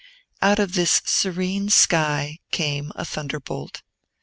Out of this serene sky came a thunderbolt.